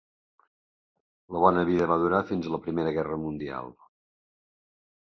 La bona vida va durar fins a la Primera Guerra Mundial.